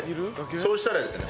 そうしたらですね